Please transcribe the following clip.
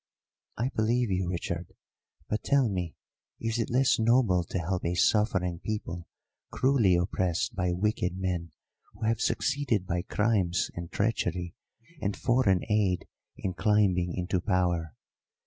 "I believe you, Richard. But tell me, is it less noble to help a suffering people cruelly oppressed by wicked men who have succeeded by crimes and treachery and foreign aid in climbing into power?